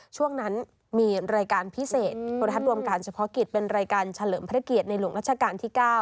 ช่วงนั้นมีรายการพิเศษโทรทัศน์รวมการเฉพาะกิจเป็นรายการเฉลิมพระเกียรติในหลวงรัชกาลที่๙